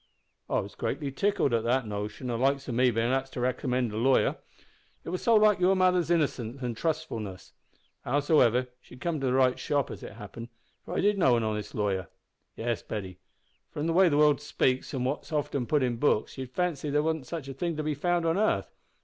"I was greatly tickled at the notion o' the likes o' me bein' axed to recommend a lawyer. It was so like your mother's innocence and trustfulness. Howsever, she'd come to the right shop, as it happened, for I did know a honest lawyer! Yes, Betty, from the way the world speaks, an' what's often putt in books, you'd fancy there warn't such'n a thing to be found on 'arth.